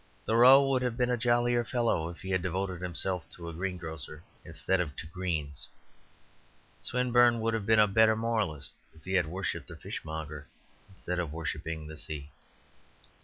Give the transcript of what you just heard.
Thoreau would have been a jollier fellow if he had devoted himself to a greengrocer instead of to greens. Swinburne would have been a better moralist if he had worshipped a fishmonger instead of worshipping the sea.